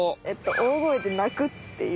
大声で泣くっていう。